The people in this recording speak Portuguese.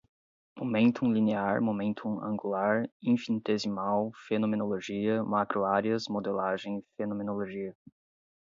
momentum linear, momentum angular, infinitesimal, fenomenologia, macro-áreas, modelagem, fenomenologia